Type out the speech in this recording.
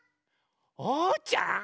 おうちゃん？